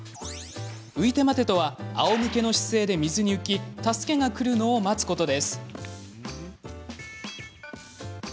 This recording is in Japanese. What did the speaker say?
浮いて待てとはあおむけの姿勢で水に浮き助けがくるのを待つことです。